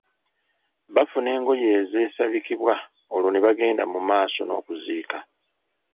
Bafuna engoye ezeesabikibwa olwo ne bagenda mu maaso n’okuziika.